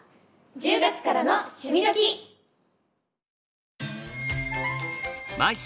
「１０月からの趣味どきっ！」。